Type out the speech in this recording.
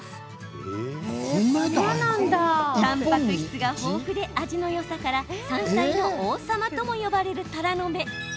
たんぱく質が豊富で味のよさから山菜の王様とも呼ばれるたらの芽。